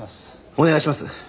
お願いします。